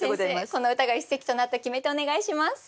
この歌が一席となった決め手お願いします。